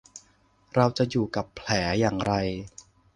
เราจะอยู่กับแผลอย่างไร ?